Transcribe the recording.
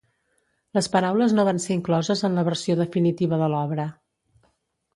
Les paraules no van ser incloses en la versió definitiva de l'obra.